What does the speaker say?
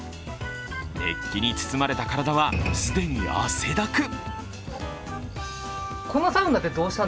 熱気に包まれた体は、既に汗だく。